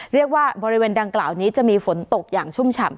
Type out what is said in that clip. เรียกว่าบริเวณดังกล่าวนี้จะมีฝนตกอย่างชุ่มฉ่ำ